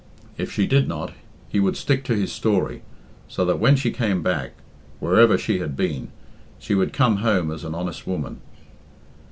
If she did not, he would stick to his story, so that when she came back, wherever she had been, she would come home as an honest woman.